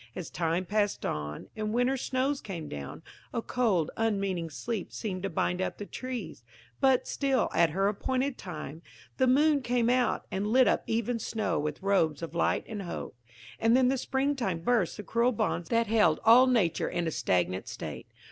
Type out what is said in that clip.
As time passed on, and winter snows came down, a cold, unmeaning sleep seemed to bind up the trees–but still, at her appointed time, the moon came out, and lit up even snow with robes of light and hope. And then the spring time burst the cruel bonds that held all nature in a stagnant state.